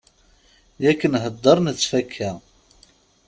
Yak nhedder nettfaka.